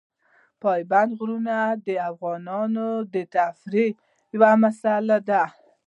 پابندی غرونه د افغانانو د تفریح یوه وسیله ده.